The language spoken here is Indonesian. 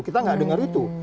kita gak dengar itu